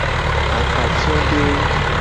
Akpafiodewo.